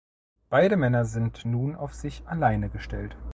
Beide Männer sind nun auf sich alleine gestellt.